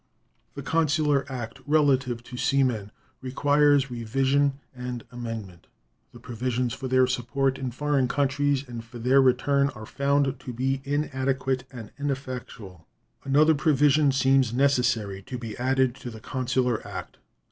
The consular act relative to sea men requires revision and amendment. The provisions for their support in foreign countries and for their return are found to be inadequate and ineffectual. Another provision seems necessary to be added to the consular act.